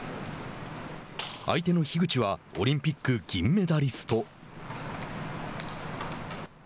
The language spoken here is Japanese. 相手の樋口はオリンピック銀メダリスト。